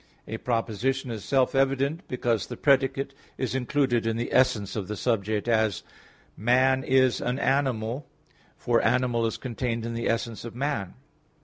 A proposition is self evident because the predicate is included in the essence of the subject, as "Man is an animal," for animal is contained in the essence of man.